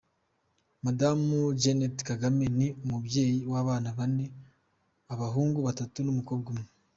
Madamu Jeannette Kagame ni umubyeyi w’abana bane, abahungu batatu n’umukobwa umwe.